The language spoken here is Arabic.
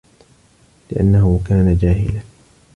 لِأَنَّهُ كَانَ جَاهِلًا